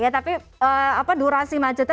tapi durasi macetnya